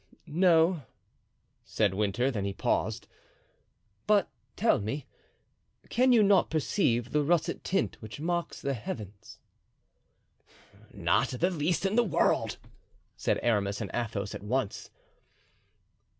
"No," said Winter, then he paused; "but tell me, can you not perceive the russet tint which marks the heavens?" "Not the least in the world," said Aramis and Athos at once.